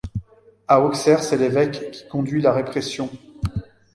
À Auxerre, c’est l’évêque qui conduit la répression.